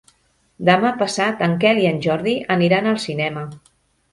Demà passat en Quel i en Jordi aniran al cinema.